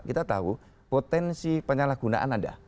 kita tahu potensi penyalahgunaan ada